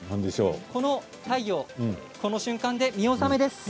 この太陽、この瞬間で見納めです。